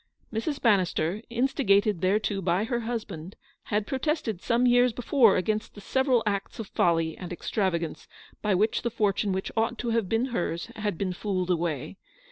Mrs. Bannister, instigated thereto by her hus band, had protested some years before against the THE ENTRESOL IN THE HUE DE L'aRCHEVEQUE. 25 several acts of folly and extravagance by which the fortune which ought to have been hers had been fooled away.